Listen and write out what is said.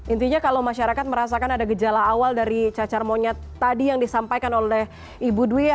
intinya kalau masyarakat merasakan ada gejala awal dari cacar monyet tadi yang disampaikan oleh ibu dwi